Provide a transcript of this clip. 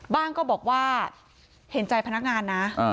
ก็บอกว่าเห็นใจพนักงานนะ